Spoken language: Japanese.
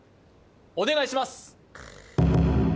お願いします